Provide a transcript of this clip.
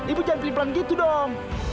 ibu jangan pelan pelan begitu dong